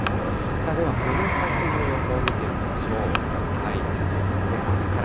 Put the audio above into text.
では、この先の予報を見てみましどうでしょうか。